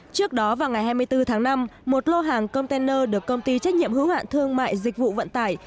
trước đó vào ngày hai mươi bốn tháng năm một lô hàng container được công ty trách nhiệm hữu hạn thương mại dịch vụ vận tải